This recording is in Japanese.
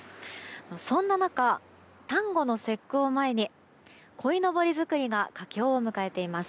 そんな中、端午の節句を前にこいのぼり作りが佳境を迎えています。